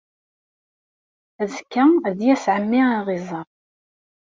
Azekka ad d-yas ɛemmi ad aɣ-iẓer.